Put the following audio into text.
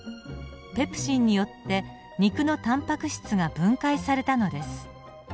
ペプシンによって肉のタンパク質が分解されたのです。